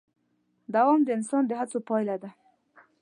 دوام د انسان د هڅو پایله ده.